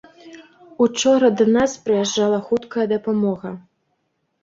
Учора да нас прыязджала хуткая дапамога.